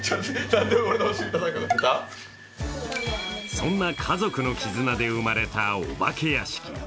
そんな家族の絆で生まれたお化け屋敷。